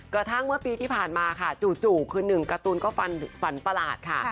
กระทั่งเมื่อปีที่ผ่านมาค่ะจู่คือหนึ่งการ์ตูนก็ฝันประหลาดค่ะ